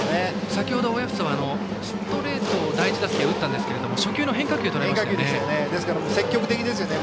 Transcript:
先程、親富祖はストレートを第１打席は打ったんですけども初球の変化球をとらえましたね。